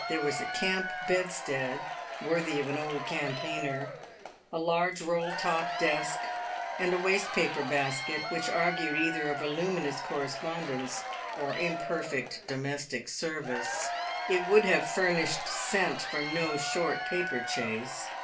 There was a camp bedstead worthy of an old campaigner, a large roll top desk, and a waste paper basket which argued either a voluminous correspondence or imperfect domestic service; it would have furnished scent for no short paper chase.